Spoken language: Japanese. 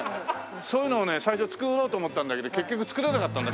そういうのをね最初作ろうと思ったんだけど結局作れなかったんだ。